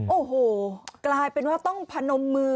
โอ้โหกลายเป็นว่าต้องพนมมือ